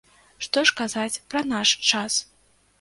Што ж казаць пра наш час?